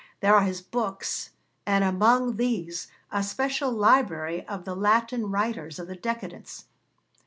There are his books, and among these a special library of the Latin writers of the Decadence.